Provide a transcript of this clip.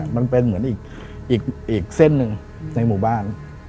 มันเป็นเหมือนอีกเส้นหนึ่งในหมู่บ้าน